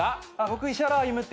僕。